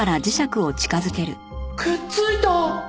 くっついた！